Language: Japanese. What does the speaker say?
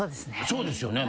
そうですよね。